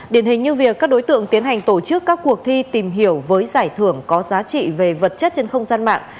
điển hình như việc các đối tượng tiến hành tổ chức các cuộc thi tìm hiểu với giải thưởng có giá trị về vật chất trên không gian mạng